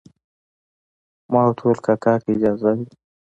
ما ورته وویل کاکا که اجازه وي.